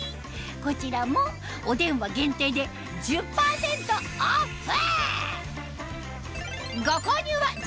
こちらもお電話限定で１０％オフ！